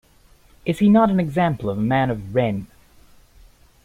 Is he not an example of a man of "ren"?